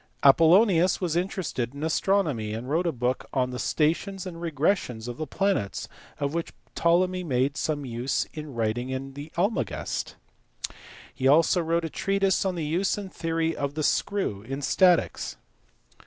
Apollonius was interested in astronomy, and wrote a book on the stations and regressions of the planets of which Ptolemy made some use in writing the Almagest. He also wrote a treatise on the use and theory of the screw in statics.